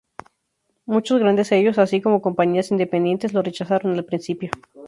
Muchos grandes sellos, así como compañías independientes, lo rechazaron al principio.